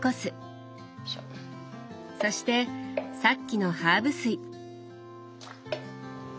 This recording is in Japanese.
そしてさっきのハーブ水。